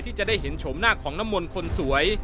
ที่จะได้เห็นโฉมหน้าของน้ำมนต์คนสวย